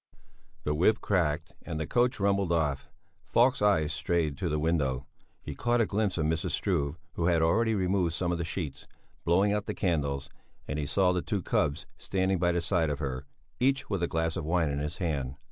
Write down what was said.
The whip cracked, and the coach rumbled off. Falk's eyes strayed to the window; he caught a glimpse of Mrs. Struve, who had already removed some of the sheets, blowing out the candles; and he saw the two cubs standing by the side of her, each with a glass of wine in his hand.